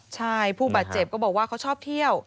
ใช่ผู้บาดเจ็บก็บอกว่าเขาชอบเที่ยว